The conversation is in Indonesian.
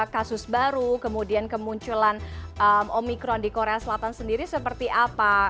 kasus baru kemudian kemunculan omikron di korea selatan sendiri seperti apa